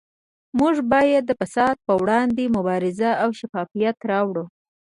موږ باید د فساد پروړاندې مبارزه او شفافیت راوړو